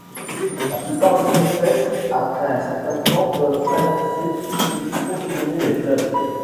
La plupart des espèces, après un certain temps peuvent traverser ou contourner les fleuves.